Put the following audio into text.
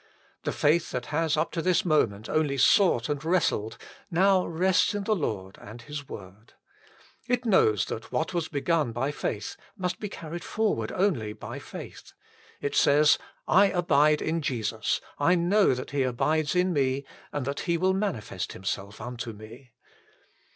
The faith that has up to this moment only sought and wrestled, now rests in the Lord and His word. It knows that what was begun ~by faith must be carried forward only by faith. It says :" I abide in Jesus ; I know that He abides in me and that He will manifest Himself unto me."